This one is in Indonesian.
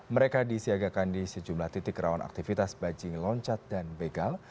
mereka disiagakan di sejumlah titik rawan aktivitas bajing loncat dan begal